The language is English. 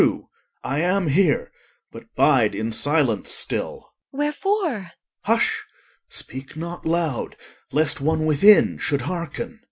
OR. True, I am here; but bide in silence still. EL. Wherefore? OR. Hush! speak not loud, lest one within should hearken.